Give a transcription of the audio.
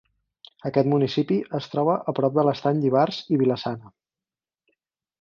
Aquest municipi es troba a prop de l'Estany d'Ivars i Vila-Sana.